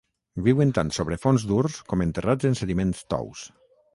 Viuen tant sobre fons durs com enterrats en sediments tous.